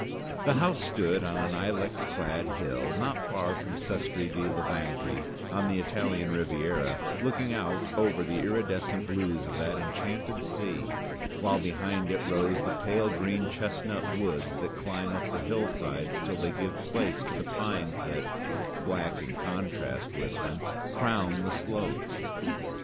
The house stood on an ilex clad hill not far from Sestri di Levante on the Italian Riviera, looking out over the iridescent blues of that enchanted sea, while behind it rose the pale green chestnut woods that climb up the hillsides till they give place to the pines that, black in contrast with them, crown the slopes.